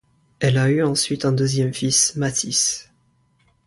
Elle a eu ensuite un deuxième fils, Mathis.